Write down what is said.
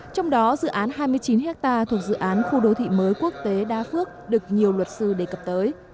trong đó dự án hai mươi chín ha thuộc dự án khu đô thị mới quốc tế đa phước được nhiều luật sư đề cập tới